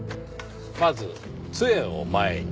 まず杖を前に。